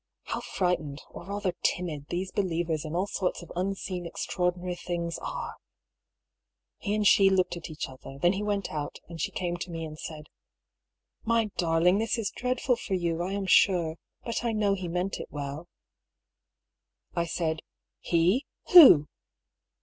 (How frightened — or rather timid — these be lievers in all sorts of unseen extraordinary things are !) He and she looked at each other; then he went out, and she came to me and said :" My darling, this is dreadful for you, I am sure I But I know he meant it well." 128 DR. PAULL'S THEORY. I said: "He!— who?"